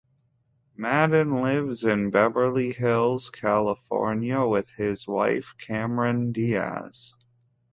Madden lives in Beverly Hills, California, with his wife, Cameron Diaz.